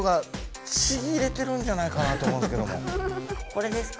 これですか？